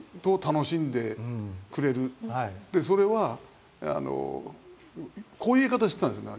でそれはこういう言い方してたんですね。